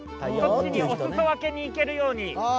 そっちにおすそ分けに行けるように。